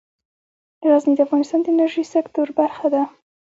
غزني د افغانستان د انرژۍ سکتور برخه ده.